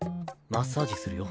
マッサージするよ。